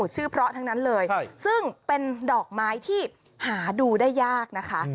ชื่อเพราะทั้งนั้นเลยซึ่งเป็นดอกไม้ที่หาดูได้ยากนะคะ